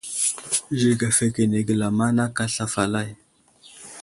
Zik afəkenege lamaŋd aka asla falay.